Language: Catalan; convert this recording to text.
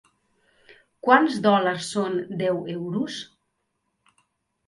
Quants dòlars són deu euros?